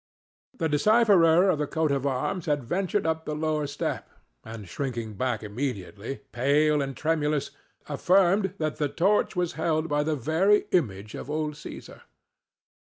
The decipherer of the coat of arms had ventured up the lower step, and, shrinking back immediately, pale and tremulous, affirmed that the torch was held by the very image of old Cæsar.